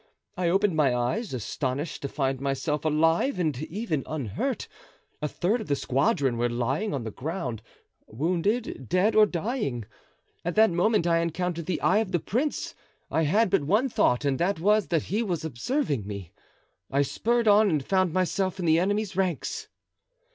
I opened my eyes, astonished to find myself alive and even unhurt; a third of the squadron were lying on the ground, wounded, dead or dying. At that moment I encountered the eye of the prince. I had but one thought and that was that he was observing me. I spurred on and found myself in the enemy's ranks."